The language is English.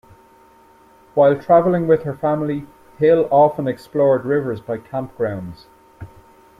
While traveling with her family, Hill often explored rivers by campgrounds.